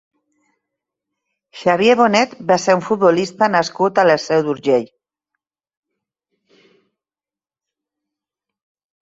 Xavier Bonet va ser un futbolista nascut a la Seu d'Urgell.